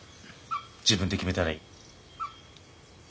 自分で決めたらいい。